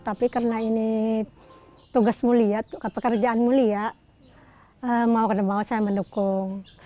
tapi karena ini tugas mulia pekerjaan mulia mau kena mau saya mendukung